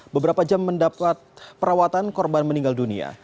beberapa jam mendapat perawatan korban meninggal dunia